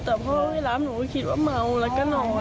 แต่พ่อไม่รับหนูก็คิดว่าเมาแล้วก็นอน